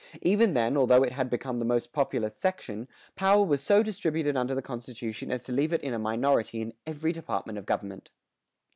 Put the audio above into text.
Even then although it had become the most populous section, power was so distributed under the constitution as to leave it in a minority in every department of government.